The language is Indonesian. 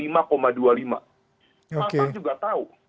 masa juga tahu